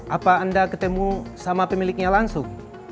apa anda ketemu sama pemiliknya langsung